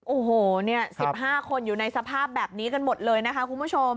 โอ้โห๑๕คนอยู่ในสภาพแบบนี้กันหมดเลยนะคะคุณผู้ชม